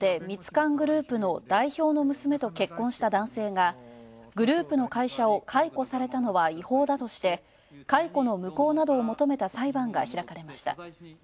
ミツカングループの代表の娘と結婚した男性がグループの会社を解雇されたのは違法だとして、解雇の無効などを求めた裁判が開かれました。